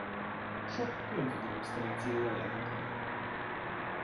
Sok könyvillusztrációja jelent meg.